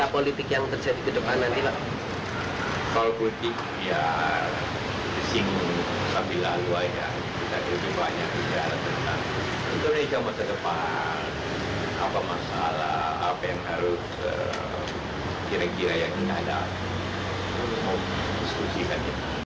pertemuan yang kita berjumpa dengan jalan brawijaya kebayoran baru jakarta selatan selasa sore